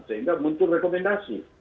sehingga muncul rekomendasi